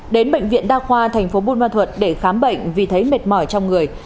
đến bệnh viện đa khoa tp bùn ma thuật để khám bệnh vì thấy mệt mỏi trong người